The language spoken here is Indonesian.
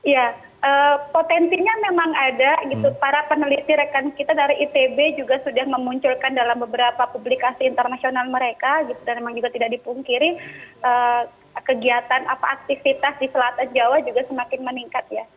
ya potensinya memang ada gitu para peneliti rekan kita dari itb juga sudah memunculkan dalam beberapa publikasi internasional mereka dan memang juga tidak dipungkiri kegiatan atau aktivitas di selat jawa juga semakin meningkat ya